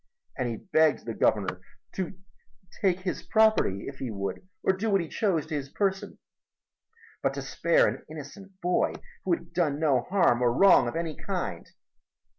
And he begged the Governor to take his property if he would or to do what he chose to his person, but to spare an innocent boy who had done no harm or wrong of any kind.